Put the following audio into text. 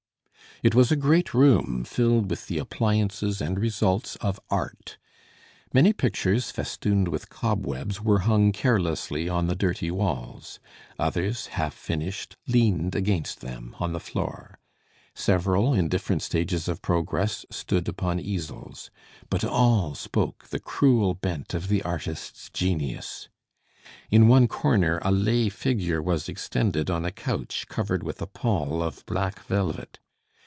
It was a great room, filled with the appliances and results of art. Many pictures, festooned with cobwebs, were hung carelessly on the dirty walls. Others, half finished, leaned against them, on the floor. Several, in different stages of progress, stood upon easels. But all spoke the cruel bent of the artist's genius. In one corner a lay figure was extended on a couch, covered with a pall of black velvet.